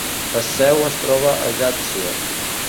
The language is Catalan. La seu es troba a Ajaccio.